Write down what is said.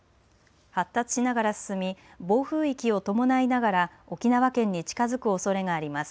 発達しながら進み暴風域を伴いながら沖縄県に近づくおそれがあります。